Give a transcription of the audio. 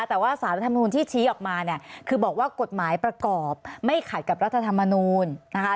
แต่ว่าสารรัฐมนูลที่ชี้ออกมาเนี่ยคือบอกว่ากฎหมายประกอบไม่ขัดกับรัฐธรรมนูลนะคะ